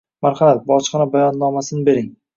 Marhamat, bojxona bayonnomasini bering.